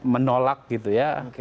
menolak gitu ya